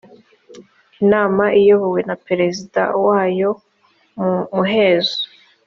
inama iyobowe na perezida wayo mu muhezo